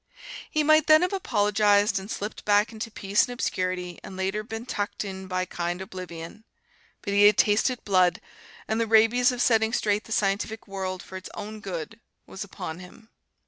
He might then have apologized, and slipped back into peace and obscurity and later been tucked in by kind oblivion. But he had tasted blood, and the rabies of setting straight the scientific world, for its own good, was upon him.